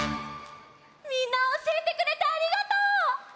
みんなおしえてくれてありがとう！